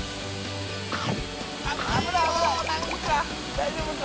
大丈夫か？